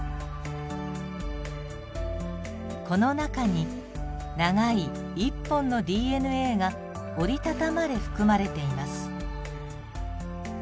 この中に長い１本のＤＮＡが折りたたまれ含まれています。